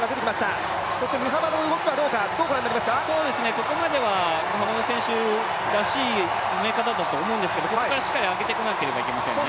ここまではムハマド選手らしい進め方だと思うんですけどここからしっかり上げてこなければいけませんね。